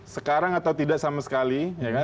sekarang atau tidak sama sekali